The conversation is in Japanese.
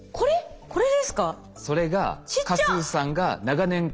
これですか？